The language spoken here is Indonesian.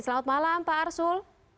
selamat malam pak arsul